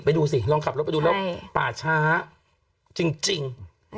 ดูสิลองขับรถไปดูแล้วป่าช้าจริง